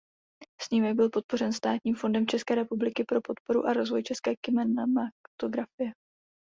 Snímek byl podpořen Státním fondem České republiky pro podporu a rozvoj české kinematografie.